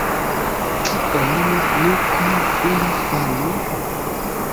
Kion ni kun ili faru?